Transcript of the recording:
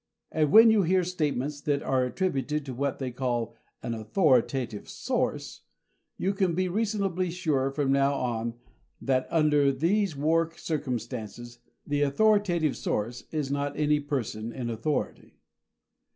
And when you hear statements that are attributed to what they call "an authoritative source," you can be reasonably sure from now on that under these war circumstances the "authoritative source" is not any person in authority.